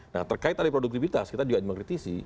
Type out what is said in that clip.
nah terkait dari produktivitas kita juga mengkritisi